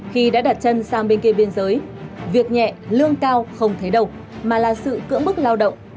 khi đã đặt chân sang bên kia biên giới việc nhẹ lương cao không thấy đâu mà là sự cưỡng bức lao động